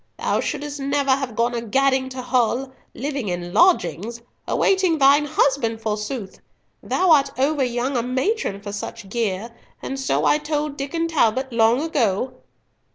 Thou shouldst never have gone a gadding to Hull, living in lodgings; awaiting thine husband, forsooth. Thou art over young a matron for such gear, and so I told Diccon Talbot long ago."